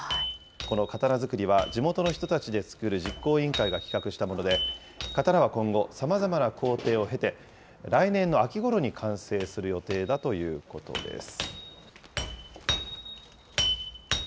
この刀作りは、地元の人たちで作る実行委員会が企画したもので、刀は今後、さまざまな工程を経て、来年の秋ごろに完成する予定だということです。